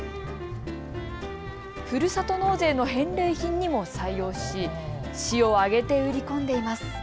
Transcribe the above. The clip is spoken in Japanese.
ふるさと納税の返礼品にも採用し、市を挙げて売り込んでいます。